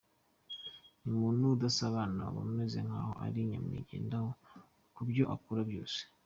Ni umuntu udasabana, uba umeze nkaho ari nyamwigendaho mu byo akora byose.